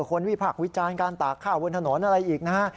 วิพากษ์วิจารณ์การตากข้าวบนถนนอะไรอีกนะฮะ